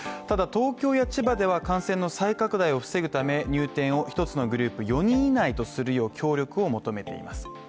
ただ東京や千葉では感染の再拡大を防ぐため入店を１つのグループ４人以内とするよう協力を求めています。